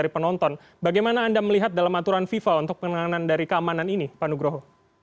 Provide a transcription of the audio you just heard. pengenalan dari keamanan ini pak nugroho